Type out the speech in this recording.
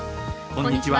こんにちは。